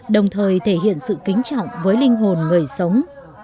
đồng thời thể hiện sự kính trọng với linh hồn người sống